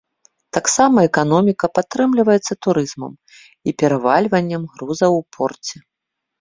Таксама эканоміка падтрымліваецца турызмам і перавальваннем грузаў у порце.